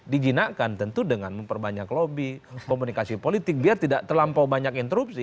dijinakkan tentu dengan memperbanyak lobby komunikasi politik biar tidak terlampau banyak interupsi